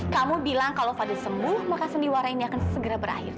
kamu bilang kalau fadil sembuh maka sendiwara ini akan segera berakhir